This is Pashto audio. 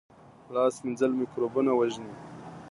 لاس مینځل مکروبونه وژني